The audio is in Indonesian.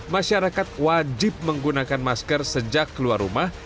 masyarakat wajib menggunakan masker sejak keluar rumah